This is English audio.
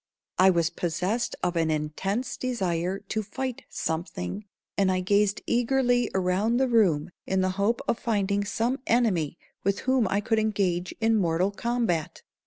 I was possessed of an intense desire to fight something, and I gazed eagerly around the room in the hope of finding some enemy with whom I could engage in mortal combat.